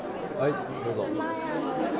どうぞ。